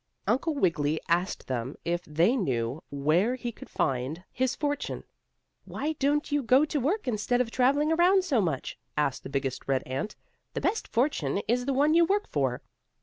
Uncle Wiggily asked them if they knew where he could find his fortune. "Why don't you go to work, instead of traveling around so much?" asked the biggest red ant. "The best fortune is the one you work for."